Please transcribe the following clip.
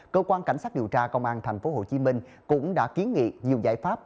cơ quan cảnh sát điều tra công an tp hcm cũng đã kiến nghị nhiều giải pháp